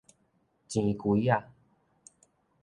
錢櫃仔